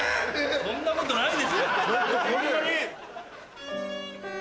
そんなことない。